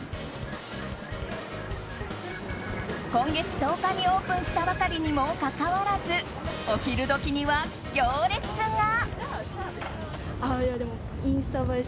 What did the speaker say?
今月１０日にオープンしたばかりにもかかわらずお昼時には行列が。